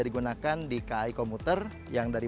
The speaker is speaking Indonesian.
digunakan di kai komuter yang dari